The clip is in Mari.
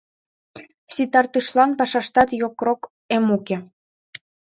Ситартышлан пашаштат йокрок — эм уке.